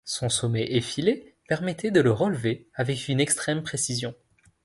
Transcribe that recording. Son sommet effilé permettait de le relever avec une extrême précision.